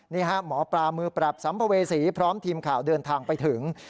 หมอปลามือปราบสัมภเวษีพร้อมทีมข่าวเดินทางไปถึง